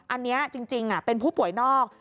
อันนี้จริงเป็นผู้ป่วยนอก